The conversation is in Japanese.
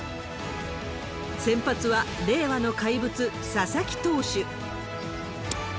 先発は、令和の怪物、佐々木投手。